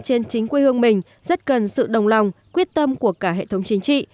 trên chính quê hương mình rất cần sự đồng lòng quyết tâm của cả hệ thống chính trị